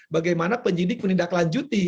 bagaimana penyidik menindaklanjuti